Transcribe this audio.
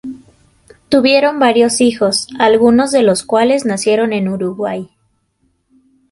Tuvieron varios hijos, algunos de los cuales nacieron en Uruguay.